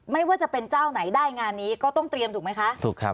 ไม่ว่าจะเป็นเจ้าไหนได้งานนี้ก็ต้องเตรียมถูกไหมคะถูกครับ